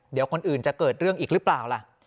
เดี๋ยวคนอื่นจะเกิดเรื่องอีกหรือเปล่าล่ะ